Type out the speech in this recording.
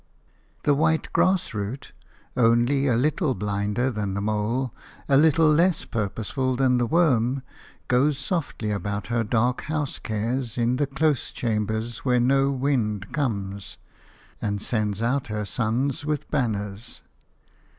THE white grass root – only a little blinder than the mole, a little less purposeful than the worm – goes softly about her dark house cares in the close chambers where no wind comes, and sends out her sons with banners.